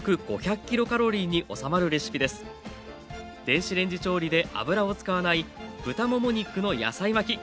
電子レンジ調理で油を使わない豚もも肉の野菜巻き。